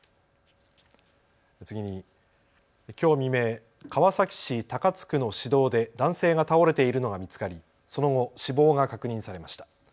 次に、きょう未明、川崎市高津区の市道で男性が倒れているのが見つかりその後、死亡が確認されました。